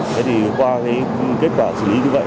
thế thì qua kết quả xử lý như vậy